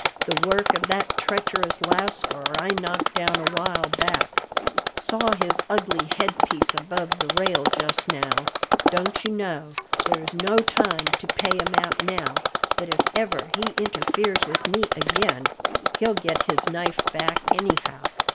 The work of that treacherous lascar I knocked down a while back. Saw his ugly head piece above the rail just now, don't you know. There's no time to pay him out now, but if ever he interferes with me again he'll get his knife back, anyhow!"